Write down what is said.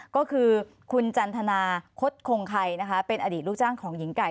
ก็คือคุณจันทนาคตคงไข่นะคะเป็นอดีตลูกจ้างของหญิงไก่